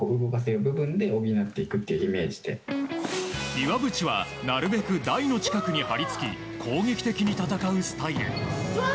岩渕はなるべく台の近くに張り付き攻撃的に戦うスタイル。